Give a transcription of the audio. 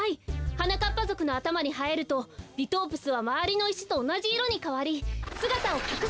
はなかっぱぞくのあたまにはえるとリトープスはまわりのいしとおなじいろにかわりすがたをかくすことができるんです。